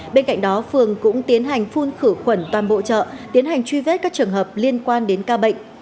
bên cạnh đó phường cũng tiến hành phun khử khuẩn toàn bộ chợ tiến hành truy vết các trường hợp liên quan đến ca bệnh